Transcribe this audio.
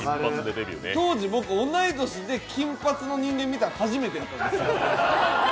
当時、僕、同い年で金髪の人間見たの初めてなんッスよ。